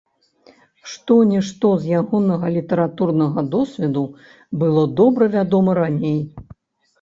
Што-нішто з ягонага літаратурнага досведу было добра вядома раней.